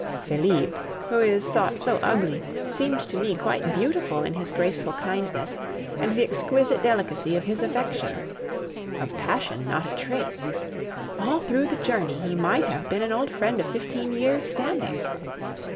Felipe, who is thought so ugly, seemed to me quite beautiful in his graceful kindness and the exquisite delicacy of his affection. Of passion, not a trace. All through the journey he might have been an old friend of fifteen years' standing.